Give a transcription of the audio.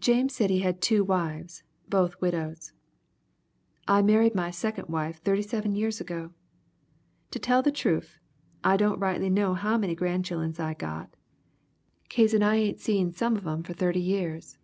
James said he had two wives, both widows. "I married my second wife 37 years ago. To tell the troof, I don't rightly know how many grandchilluns I got, kazen I ain't seed some of 'em for thirty years.